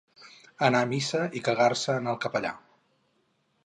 Anar a missa i cagar-se en el capellà.